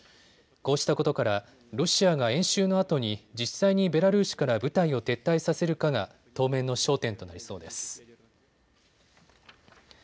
こうしたことから、ロシアが演習のあとに実際にベラルーシから部隊を撤退させるかが当面の焦点となりそうです。